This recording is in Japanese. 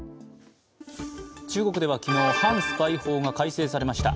中国では昨日、反スパイ法が改正されました。